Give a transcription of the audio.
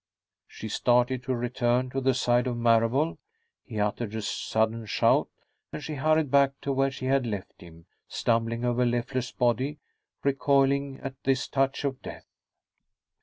She started to return to the side of Marable. He uttered a sudden shout, and she hurried back to where she had left him, stumbling over Leffler's body, recoiling at this touch of death.